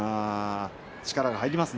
力が入りますね